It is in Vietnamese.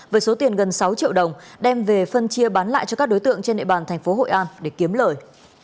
với số tiền gần sáu triệu đồng đem về phân chia bán lại cho các đối tượng trên địa bàn tp hội an để kiếm lời